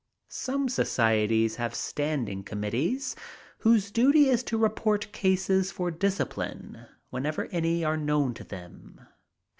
Some societies have standing committees, whose duty it is to report cases for discipline whenever any are known to them.